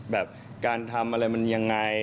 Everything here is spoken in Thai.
แบบการทำอะไรมันยังไง